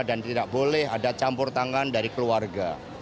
dan tidak boleh ada campur tangan dari keluarga